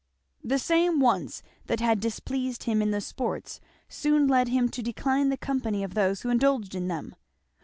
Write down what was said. The same wants that had displeased him in the sports soon led him to decline the company of those who indulged in them.